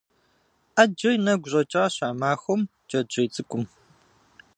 Ӏэджэ и нэгу щӀэкӀащ а махуэм джэджьей цӀыкӀум.